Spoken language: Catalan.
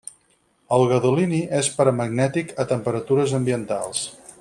El gadolini és paramagnètic a temperatures ambientals.